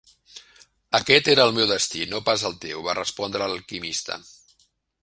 "Aquest era el meu destí, no pas el teu", va respondre l'alquimista.